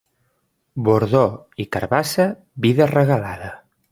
Bordó i carabassa, vida regalada.